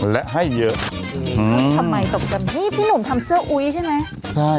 และให้เยอะทำไมตกใจนี่พี่หนุ่มทำเสื้ออุ๊ยใช่ไหมใช่